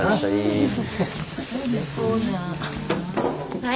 はい。